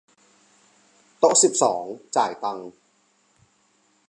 โต๊ะสิบสอง จ่ายตังค์